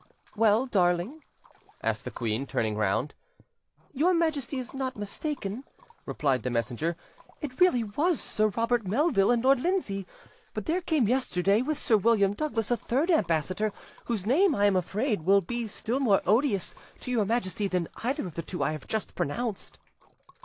"Well, darling?" asked the queen, turning round. "Your Majesty is not mistaken," replied the messenger: "it really was Sir Robert Melville and Lord Lindsay; but there came yesterday with Sir William Douglas a third ambassador, whose name, I am afraid, will be still more odious to your Majesty than either of the two I have just pronounced."